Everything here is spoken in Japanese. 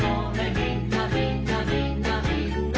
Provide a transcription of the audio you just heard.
みんなみんなみんなみんな」